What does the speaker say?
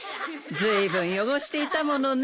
ずいぶん汚していたものね。